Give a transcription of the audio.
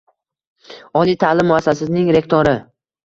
oliy ta’lim muassasasining rektori